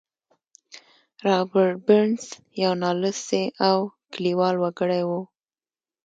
رابرټ برنس یو نالوستی او کلیوال وګړی و